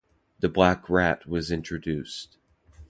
The black rat was introduced.